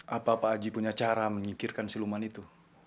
apa pak haji punya cara mengikirkan siluman itu